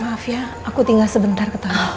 maaf ya aku tinggal sebentar ketemu